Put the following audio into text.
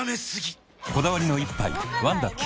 こだわりの一杯「ワンダ極」